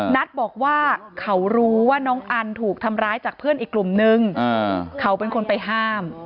นัทบอกว่าเขารู้ว่าน้องอันถูกทำร้ายจากเพื่อนอีกกลุ่มนึงเขาเป็นคนไปห้าม